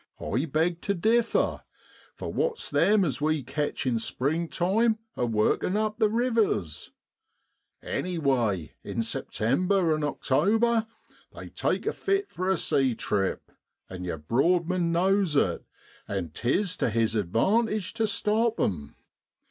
I beg to differ, for what's them as we catch in springtime a working up the rivers ? Anyway, in September an' October they take a fit for a sea trip, and your Broadman knows it, and 'tis to his advantage to stop 'ern.